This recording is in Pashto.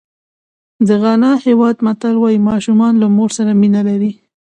د غانا هېواد متل وایي ماشومان له مور سره مینه لري.